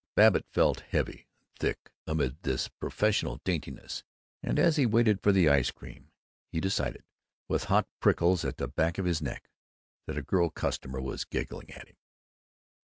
Babbitt felt heavy and thick amid this professional daintiness, and as he waited for the ice cream he decided, with hot prickles at the back of his neck, that a girl customer was giggling at him.